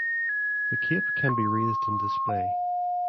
The "cape" can be raised in display.